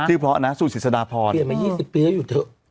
ชื่อเพราะน่ะสู่ศิษฎาพรเปลี่ยนมายี่สิบปีแล้วหยุดเถอะ